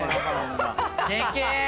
でけえ！